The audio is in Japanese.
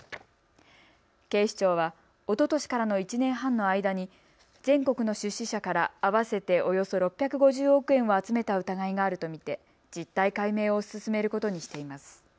警視庁はおととしからの１年半の間に全国の出資者から合わせておよそ６５０億円を集めた疑いがあると見て実態解明を進めることにしています。